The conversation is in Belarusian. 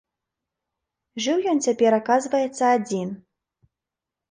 Жыў ён цяпер, аказваецца, адзін.